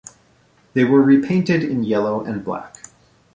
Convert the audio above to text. They were repainted in yellow and black.